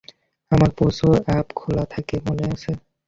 আমার প্রচুর অ্যাপ খোলা থাকে, মনে আছে?